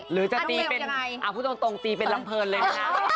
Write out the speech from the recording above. หรือจะตีเป็นลำเผินเลยนะ